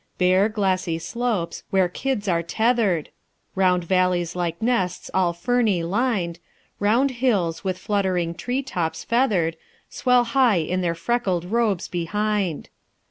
"Bare, glassy slopes, where kids are tethered; Round valleys like nests all ferny lined; Round hills, with fluttering tree tops feathered, Swell high in their freckled robes behind.